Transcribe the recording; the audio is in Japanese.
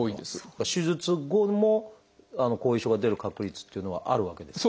手術後も後遺症が出る確率っていうのはあるわけですか？